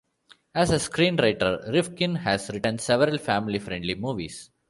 As a screenwriter, Rifkin has written several family-friendly movies.